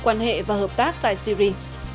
quan hệ và hợp tác tại syri